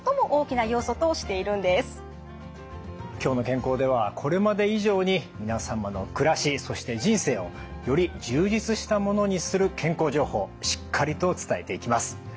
「きょうの健康」ではこれまで以上に皆様の暮らしそして人生をより充実したものにする健康情報しっかりと伝えていきます。